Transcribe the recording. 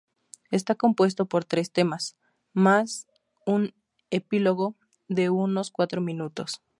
Está compuesto por tres temas, más un epílogo de unos cuatro minutos.